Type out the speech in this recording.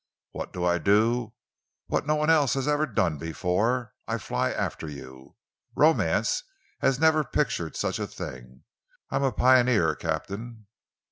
What do I do? What no one else has ever done before! I fly after you! Romance has never pictured such a thing. I am a pioneer, Captain."